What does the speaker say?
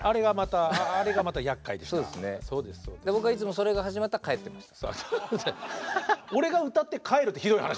僕はいつもそれが始まったら帰ってました。